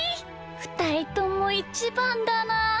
ふたりともいちばんだなあ。